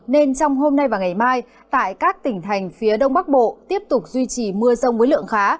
nên trong hôm nay và ngày mai tại các tỉnh thành phía đông bắc bộ tiếp tục duy trì mưa rông với lượng khá